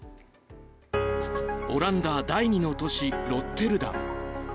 オランダ第２の都市ロッテルダム。